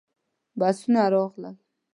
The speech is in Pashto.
بسونه راغلل.